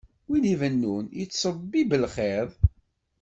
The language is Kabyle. Win ibennun yettṣewwib lxiḍ.